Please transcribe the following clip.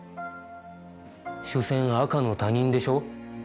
所詮赤の他人でしょ。